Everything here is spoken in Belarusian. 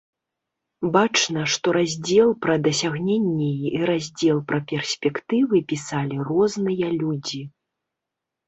Бачна, што раздзел пра дасягненні і раздзел пра перспектывы пісалі розныя людзі.